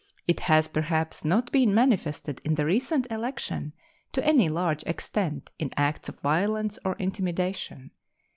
It has, perhaps, not been manifested in the recent election to any large extent in acts of violence or intimidation.